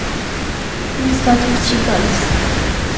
Ինձ դա դուր չի գալիս։